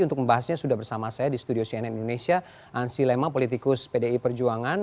untuk membahasnya sudah bersama saya di studio cnn indonesia ansyi lema politikus pdi perjuangan